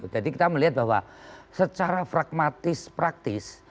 kita melihat bahwa secara pragmatis praktis